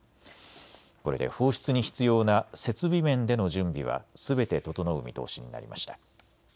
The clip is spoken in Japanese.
これで放出に必要な設備面での準備はすべて整う見通しになりました。